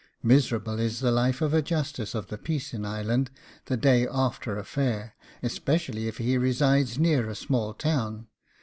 Miserable is the life of a justice of the peace in Ireland the day after a fair, especially if he resides near a small town.